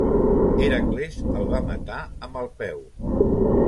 Hèracles el va matar amb el peu.